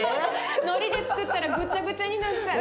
のりでつくったらぐちゃぐちゃになっちゃう。